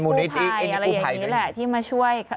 ในไทยอะไรอย่างนี้แหละที่มาช่วย